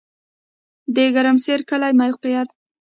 د ګرمسر کلی موقعیت